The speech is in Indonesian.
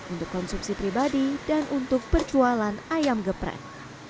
untuk konsumsi pribadi dan untuk perjualan ayam geprek